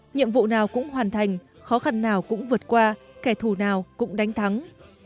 nhiệm vụ nào cũng hoàn thành khó khăn nào cũng vượt qua kẻ thù nào cũng đánh thắng